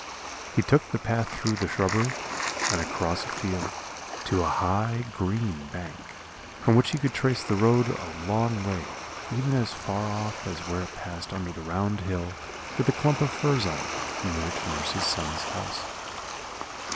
He took the path through the shrubbery, and across a field, to a high green bank, from which he could trace the road a long way, even as far off as where it passed under the round hill with the clump of firs on it, near to nurse's son's house.